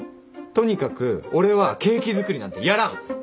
とにかく俺はケーキ作りなんてやらん！